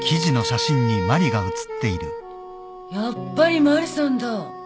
やっぱりマリさんだ。